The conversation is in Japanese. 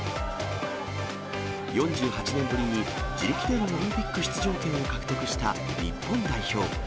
４８年ぶりに自力でのオリンピック出場権を獲得した日本代表。